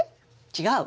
違う。